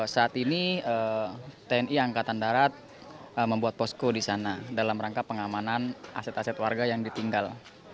saat ini tni angkatan darat membuat posko di sana dalam rangka pengamanan aset aset warga yang ditinggal